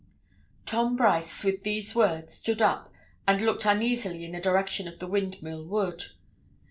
Tom Brice, with these words, stood up, and looked uneasily in the direction of the Windmill Wood.